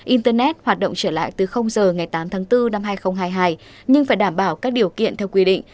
internet hoạt động trở lại từ giờ ngày tám tháng bốn năm hai nghìn hai mươi hai nhưng phải đảm bảo các điều kiện theo quy định